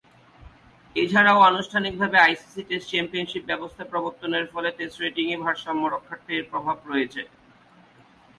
এছাড়াও আনুষ্ঠানিকভাবে ICC test championship ব্যবস্থা প্রবর্তনের ফলে টেস্ট রেটিংয়ে ভারসাম্য রক্ষার্থে এর প্রভাব রয়েছে।